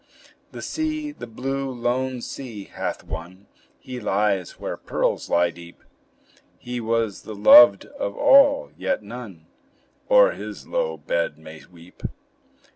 The sea, the blue, lone sea, hath one; He lies where pearls lie deep; He was the loved of all, yet none O'er his low bed may weep.